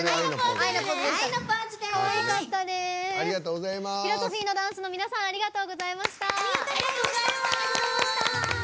フィロソフィーのダンスの皆さんありがとうございました。